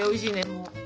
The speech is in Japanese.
もう。